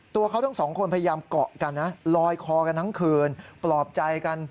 ตัวเขาทั้งสองคนพยายามเกาะกันนะลอยคอกันทั้งคืนปลอบใจกัน